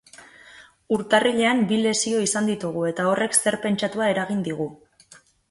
Urtarrilean bi lesio izan ditugu eta horrek zer pentsatua eragin digu.